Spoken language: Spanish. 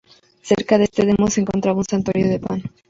Cerca de este demo se encontraba un santuario de Pan.